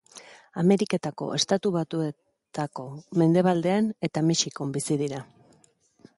Ameriketako Estatu Batuetako mendebaldean eta Mexikon bizi dira.